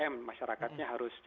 tiga m masyarakatnya harus jaga diri